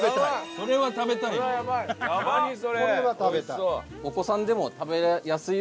これは食べたい。